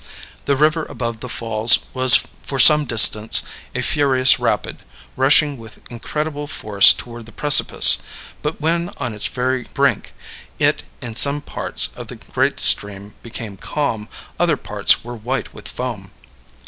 The river above the falls was for some distance a furious rapid, rushing with incredible force toward the precipice; but when on its very brink it, in some parts of the great stream, became calm, other parts were white with foam.